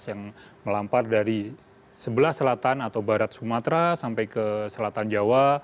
yang melampar dari sebelah selatan atau barat sumatera sampai ke selatan jawa